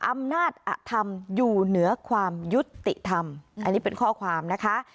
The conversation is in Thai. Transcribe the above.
อำนาจอธรรมอยู่เหนือความยุติธรรมอันนี้เป็นข้อความนะคะ